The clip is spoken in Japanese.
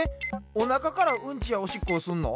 おなかからうんちやおしっこをすんの？